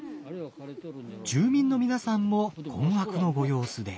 住民の皆さんも困惑のご様子で。